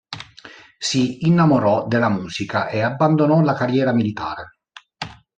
Si innamorò della musica e abbandonò la carriera militare.